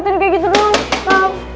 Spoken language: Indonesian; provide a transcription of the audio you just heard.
merupakan sedang memberges